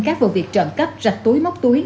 các vụ việc trộm cắp rạch túi móc túi